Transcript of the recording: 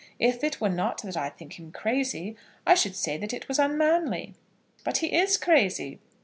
If it were not that I think him crazy, I should say that it was unmanly." "But he is crazy."